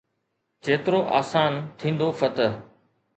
جيترو آسان ٿيندو فتح.